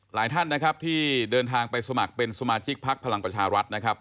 หลายท่านนะครับที่เดินทางไปสมัครเป็นสมาชิกพักพลังประชารัฐนะครับ